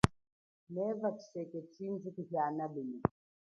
Neva tshiseke tshindji kuhiana lume.